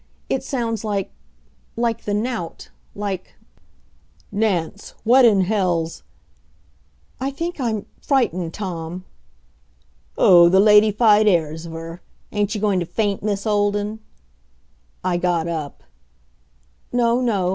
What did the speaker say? It sounds like like the knout, like "Nance what in hell's " "I think I'm frightened, Tom." "Oh, the ladyfied airs of her! Ain't you going to faint, Miss Olden?" I got up. "No no.